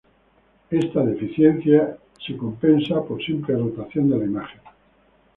Esta deficiencia es compensada por simple rotación de la imagen.